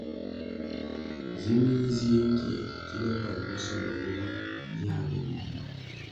Vi minzie ngie kile pan bosondo bo ba viā be bidiu.